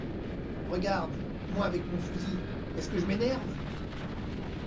Regarde, moi avec mon fusil, est-ce que je m’énerve ?